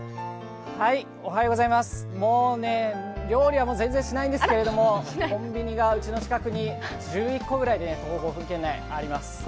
料理はもう全然しないんですけどコンビニがうちの近くに１１個ぐらい徒歩圏内にあります。